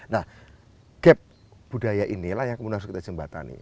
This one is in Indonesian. nah gap budaya inilah yang kemudian harus kita jembatani